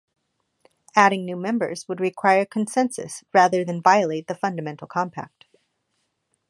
Adding new members would require consensus rather than violate the fundamental compact.